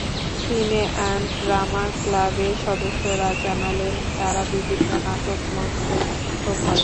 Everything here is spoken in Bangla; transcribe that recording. সিনে অ্যান্ড ড্রামা ক্লাবের সদস্যরা জানালেন, তাঁরা বিভিন্ন নাটক মঞ্চস্থ করেন।